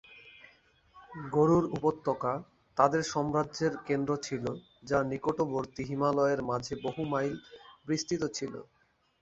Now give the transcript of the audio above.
গরুড় উপত্যকা তাদের সাম্রাজ্যের কেন্দ্র ছিল যা নিকটবর্তী হিমালয়ের মাঝে বহু মাইল বিস্তৃত ছিল।